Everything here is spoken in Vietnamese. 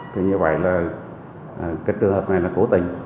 thì như vậy là cái trường hợp này là cố tình